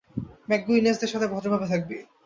McGuinness দের সাথে ভদ্রভাবে থাকবি।